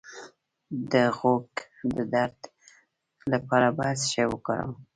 د غوږ د درد لپاره باید څه شی وکاروم؟